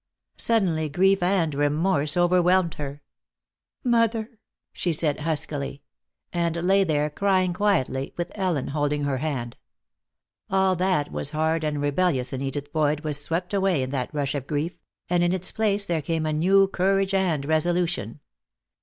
Suddenly grief and remorse overwhelmed her. "Mother!" she said, huskily. And lay there, crying quietly, with Ellen holding her hand. All that was hard and rebellious in Edith Boyd was swept away in that rush of grief, and in its place there came a new courage and resolution.